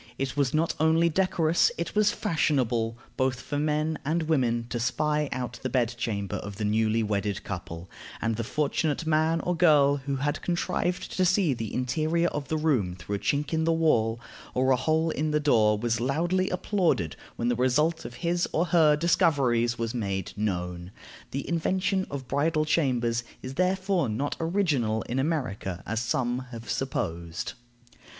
It was not only decorous, it was fashionable, both for men and women, to spy out the bed chamber of the newly wedded couple, and the fortunate man or girl who had contrived to see the interior of the room through a chink in the wall or a hole in the door was loudly applauded when the result of his or her discoveries was made known. The invention of bridal chambers is therefore not original in America, as some have supposed.